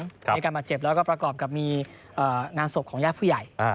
ใช่ให้มีการบาดเจ็บและก็ประกอบให้มีงานที่หากศพของยากผู้ใหญ่